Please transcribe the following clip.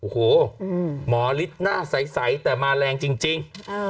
โหหมอลิสหน้าใสแต่มาแรงจริง